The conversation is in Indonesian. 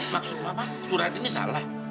maksud apa surat ini salah